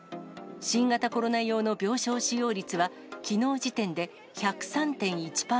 新型コロナ用の病床使用率は、きのう時点で１０３．１％。